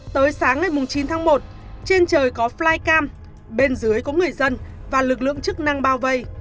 tới sáng ngày chín tháng một trên trời có flycam bên dưới có người dân và lực lượng chức năng bao vây